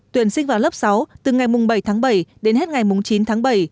tuyển sinh vào lớp sáu từ ngày mùng bảy tháng bảy đến hết ngày mùng chín tháng bảy